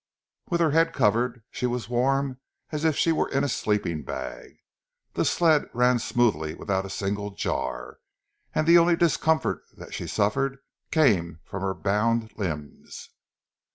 With her head covered, she was as warm as if she were in a sleeping bag, the sled ran smoothly without a single jar, and the only discomfort that she suffered came from her bound limbs.